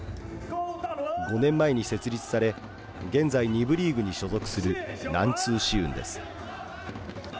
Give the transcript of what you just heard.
５年前に設立され現在２部リーグに所属する「南通支雲」です。